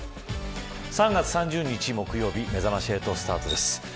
３月３０日木曜日めざまし８スタートです。